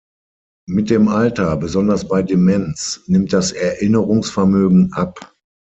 Mit dem Alter, besonders bei Demenz, nimmt das Erinnerungsvermögen ab.